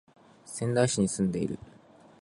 仙台市に住んでいる